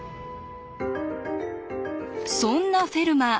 そんなフェルマー